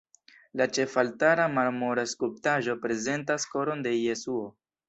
La ĉefaltara marmora skulptaĵo prezentas Koron de Jesuo.